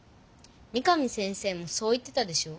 三上先生もそう言ってたでしょ。